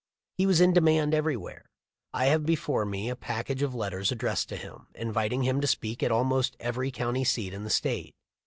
He was in demand everywhere. I have before me a pack age of letters addressed to him, inviting him to speak at almost every county seat in the State.